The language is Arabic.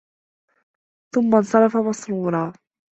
ثُمَّ انْصَرَفَ مَسْرُورًا